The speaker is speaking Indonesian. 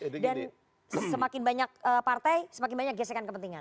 dan semakin banyak partai semakin banyak gesekan kepentingan